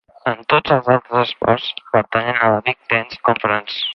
En tots els altres esports, pertanyen a la Big Ten Conference.